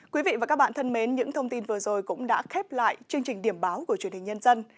quý vị và các bạn thân mến những thông tin vừa rồi cũng đã khép lại chương trình điểm báo của truyền hình nhân dân